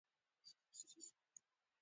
بوتسوانا داسې بنسټونه په میراث یووړل.